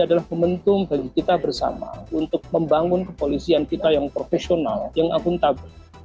adalah momentum bagi kita bersama untuk membangun kepolisian kita yang profesional yang akuntabel